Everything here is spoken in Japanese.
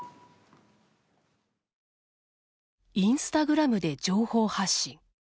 インスタグラムで情報発信。